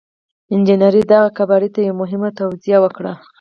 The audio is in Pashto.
انجنير دغه کباړي ته يوه مهمه توصيه وکړه.